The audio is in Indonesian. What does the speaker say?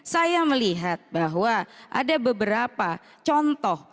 saya melihat bahwa ada beberapa contoh